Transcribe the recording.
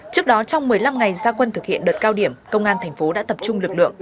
trước đó trong một mươi năm ngày gia quân thực hiện đợt cao điểm công an thành phố đã tập trung lực lượng